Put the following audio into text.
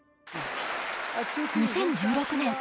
２０１６年